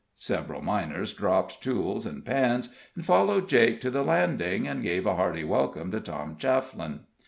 Several miners dropped tools and pans, and followed Jake to the landing, and gave a hearty welcome to Tom Chafflin.